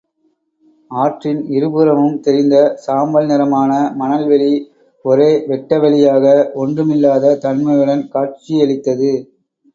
ஆற்றின் இருபுறமும் தெரிந்த சாம்பல் நிறமான மணல்வெளி ஒரே வெட்டவெளியாக, ஒன்றுமில்லாத தன்மையுடன் காட்சியளித்தது.